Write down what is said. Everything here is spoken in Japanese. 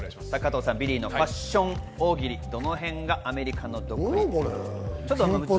ビリーのファッション大喜利、どの辺がアメリカの独立でしょう